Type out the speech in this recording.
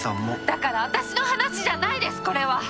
だから私の話じゃないですこれは。